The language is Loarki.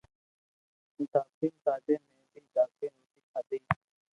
دھاپين کادي مي بي دھاپين روٽي کادي